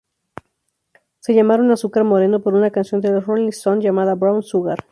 Se llamaron Azúcar Moreno por una canción de los Rolling Stones llamada "Brown Sugar".